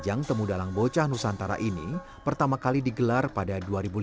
ajang temu dalang bocah nusantara ini pertama kali digelar pada dua ribu lima belas